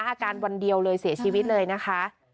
อาการวันเดียวเลยเสียชีวิตเลยนะคะ